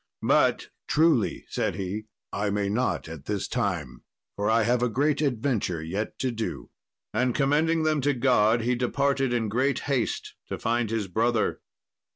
But "truly," said he, "I may not at this time, for I have a great adventure yet to do;" and commending them to God, he departed in great haste to find his brother.